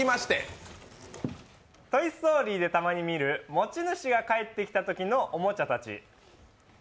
「トイ・ストーリー」でたまに見る持ち主が帰ってきたときのおもちゃたち。